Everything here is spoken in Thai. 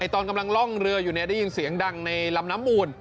ตอนกำลังล่องเรืออยู่ได้ยินเสียงดังในลำน้ำมูล